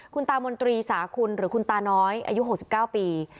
คุณตามนตรีสาคุณหรือคุณตาน้อยอายุ๖๙ปี